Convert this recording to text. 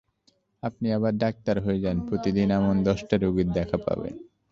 আপনি আবার ডাক্তার হয়ে যান, প্রতিদিন এমন দশটা রোগীর দেখা পাবেন!